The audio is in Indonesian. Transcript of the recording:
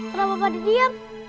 kenapa gak ada diam